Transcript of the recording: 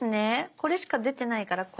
これしか出てないからこれ。